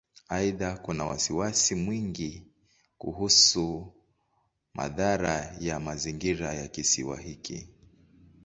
Aidha, kuna wasiwasi mwingi kuhusu madhara ya mazingira ya Kisiwa hiki.